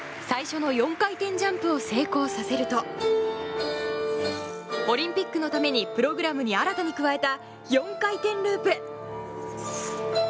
最初の４回転ジャンプを成功させるとオリンピックのためにプログラムに新たに加えた４回転ループ。